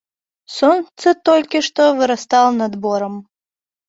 Сонца толькі што вырастала над борам.